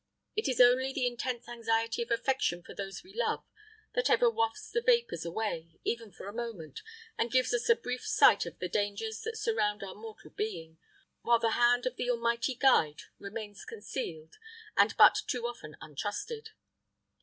It is only the intense anxiety of affection for those we love that ever wafts the vapors away, even for a moment, and gives us a brief sight of the dangers that surround our mortal being, while the hand of the Almighty Guide remains concealed, and but too often untrusted.